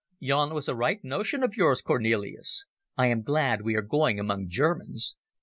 Yon was a right notion of yours, Cornelis. I am glad we are going among Germans.